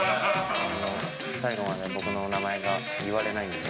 最後まで僕の名前が言われないんで。